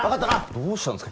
どうしたんすか？